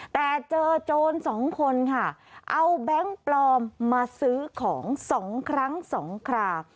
แต่เจอโจรสองคนค่ะเอาแบงค์ปลอมมาซื้อของ๒ครั้ง๒ครา